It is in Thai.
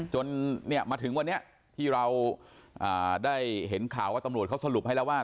จนถึงวันนี้ที่เราได้เห็นข่าวว่าตำรวจเขาสรุปให้แล้วว่า